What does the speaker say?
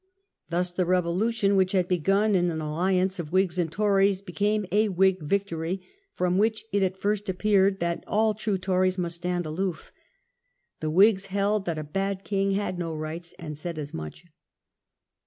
Thus the Revolution, which had begun in an alliance of Whigs and Tories, became a Whig victory, from which it at first appeared that all true Tories must stand aloof. The Whigs held that a bad king had no rights, and said as much.